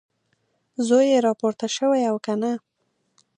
زوی یې راپورته شوی او که نه؟